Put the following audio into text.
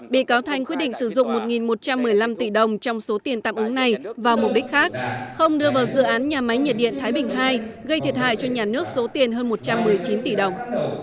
bị cáo thanh quyết định sử dụng một một trăm một mươi năm tỷ đồng trong số tiền tạm ứng này vào mục đích khác không đưa vào dự án nhà máy nhiệt điện thái bình ii gây thiệt hại cho nhà nước số tiền hơn một trăm một mươi chín tỷ đồng